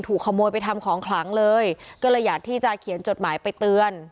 ขโมยไปทำของขลังเลยก็เลยอยากที่จะเขียนจดหมายไปเตือน